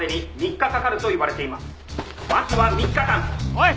おい！